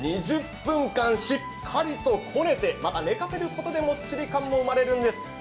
２０分間、しっかりこねて寝かせることでもっちり感も生まれるんです。